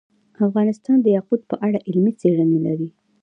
افغانستان د یاقوت په اړه علمي څېړنې لري.